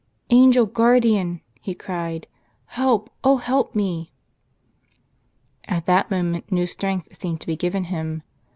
"Angel Guardian," he cried, "help, oh help me !". At that moment new strength seemed to be given him.